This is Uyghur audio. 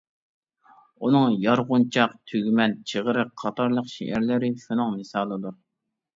ئۇنىڭ «يارغۇنچاق» ، «تۈگمەن» ، «چىغرىق» قاتارلىق شېئىرلىرى شۇنىڭ مىسالىدۇر.